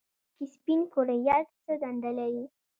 په وینه کې سپین کرویات څه دنده لري